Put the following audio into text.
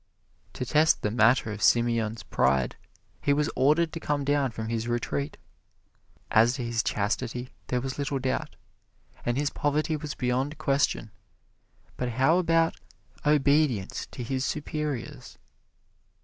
To test the matter of Simeon's pride, he was ordered to come down from his retreat. As to his chastity, there was little doubt, and his poverty was beyond question; but how about obedience to his superiors?